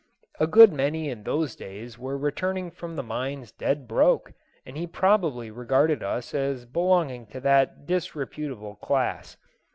A good many in those days were returning from the mines dead broke, and he probably regarded us as belonging to that disreputable class.